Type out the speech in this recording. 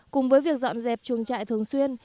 cùng với việc dọn dẹp chuồng trại thường xuyên